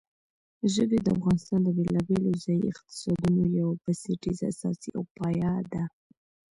ژبې د افغانستان د بېلابېلو ځایي اقتصادونو یو بنسټیزه اساس او پایایه ده.